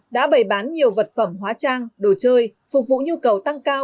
đã bày bán nhiều vật phẩm hóa trang đồ chơi phục vụ nhu cầu tăng cao